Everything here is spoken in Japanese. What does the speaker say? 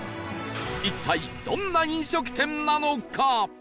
一体どんな飲食店なのか？